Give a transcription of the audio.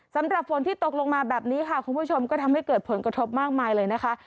สำหรับฝนที่ตกลงมาแบบนี้ค่ะคุณผู้ชมก็ทำให้เกิดผลกระทบมากมายเลยนะคะ